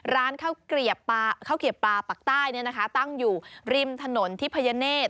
ร้านข้าวเกลียบปลาปากใต้ตั้งอยู่ริมถนนทิพยเนธ